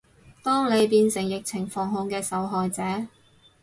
當你變成疫情防控嘅受害者